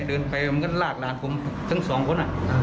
เดินไปมันก็ลากหลานผมทั้งสองคน